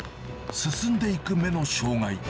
進んでいく目の障がい。